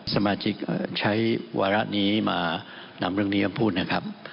สมาชิกใช้วาระนี้มานำเรื่องนี้มาพูดนะครับ